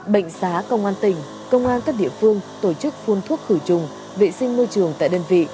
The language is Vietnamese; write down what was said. bệnh xá công an tỉnh công an các địa phương tổ chức phun thuốc khử trùng vệ sinh môi trường tại đơn vị